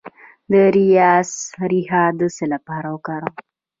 د اریسا ریښه د څه لپاره وکاروم؟